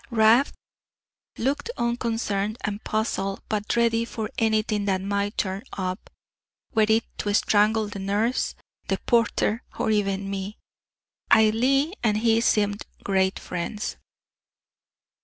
Rab looked on concerned and puzzled, but ready for anything that might turn up were it to strangle the nurse, the porter, or even me. Ailie and he seemed great friends.